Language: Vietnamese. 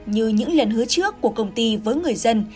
như những lần hứa trước của công ty với người dân